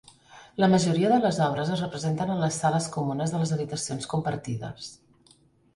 La majoria de les obres es representen en les sales comunes de les habitacions compartides.